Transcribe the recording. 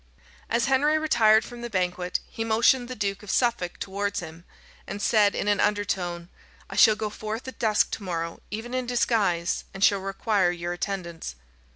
As Henry retired from the banquet, he motioned the Duke of Suffolk towards him, and said, in an undertone "I shall go forth at dusk to morrow even in disguise, and shall require your attendance."